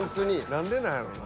何でなんやろな。